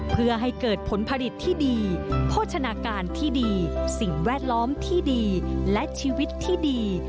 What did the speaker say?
เพื่อให้เกิดผลผลิตที่ดีโภชนาการที่ดีสิ่งแวดล้อมที่ดีและชีวิตที่ดี